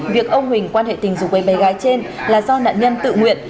việc ông huỳnh quan hệ tình dục với bé gái trên là do nạn nhân tự nguyện